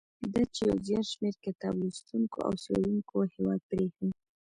دا چې یو زیات شمیر کتاب لوستونکو او څېړونکو هیواد پریښی.